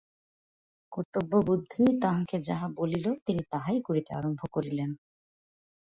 কর্তব্যবুদ্ধি তাঁহাকে যাহা বলিল তিনি তাহাই করিতে আরম্ভ করিলেন।